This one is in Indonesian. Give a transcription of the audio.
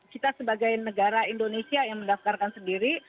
kita sebagai negara indonesia yang mendaftarkan sendiri